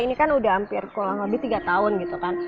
ini kan udah hampir kurang lebih tiga tahun gitu kan